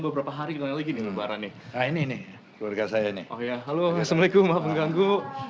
beberapa hari lagi ini lembaran ini ini keluarga saya ini halo assalamualaikum maaf mengganggu